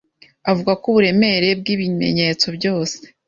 avuga ko uburemere bwibimenyetso byose